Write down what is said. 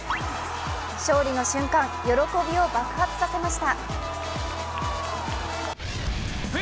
勝利の瞬間、喜びを爆発させました